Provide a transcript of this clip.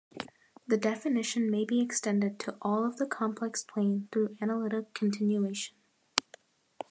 The definition may be extended to all of the complex plane through analytic continuation.